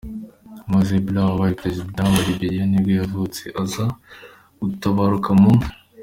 Moses Blah, wabaye perezida wa wa Liberia nibwo yavutse, aza gutabaruka mu .